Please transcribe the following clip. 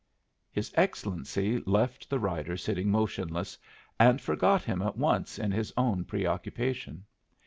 His Excellency left the rider sitting motionless, and forgot him at once in his own preoccupation.